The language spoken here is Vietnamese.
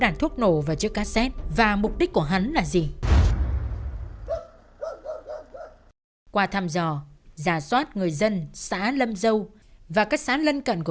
giá cắm điển nghe thử